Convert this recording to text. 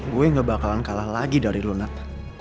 gue gak bakalan kalah lagi dari lo nat